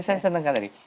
saya senangkan tadi